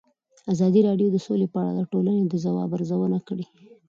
ازادي راډیو د سوله په اړه د ټولنې د ځواب ارزونه کړې.